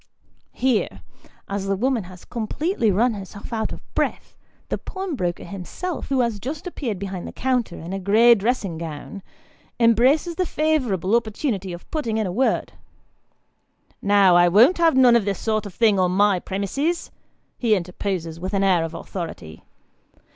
Here, as the woman has completely run herself out of breath, the pawnbroker him self, who has just appeared behind the counter in a grey dressing gown, embraces the favourable opportunity of putting in a word :" Now I won't have none of this sort of thing on my premises !" he interposes with an air of authority.